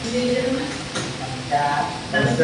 খুব অন্ধকার, একটানা বিবি পোকা ডাকিতেছে।